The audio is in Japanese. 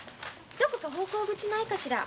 どこか奉公口ないかしら？